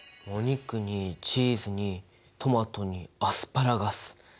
お肉にチーズにトマトにアスパラガス。